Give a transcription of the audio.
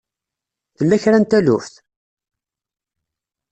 Tella kra n taluft?